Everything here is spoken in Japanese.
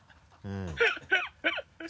ハハハ